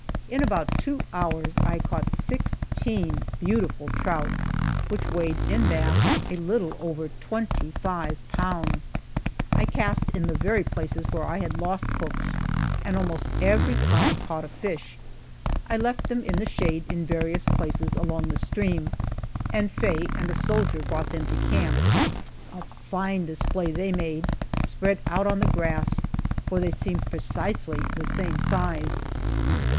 In about two hours I caught sixteen beautiful trout, which weighed, en masse, a little over twenty five pounds! I cast in the very places where I had lost hooks, and almost every time caught a fish. I left them in the shade in various places along the stream, and Faye and a soldier brought them to camp. A fine display they made, spread out on the grass, for they seemed precisely the same size.